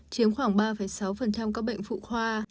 chiếm khoảng ba sáu các bệnh phụ khoa